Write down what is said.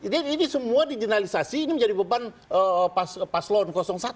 jadi ini semua dijeneralisasi ini menjadi beban paslon satu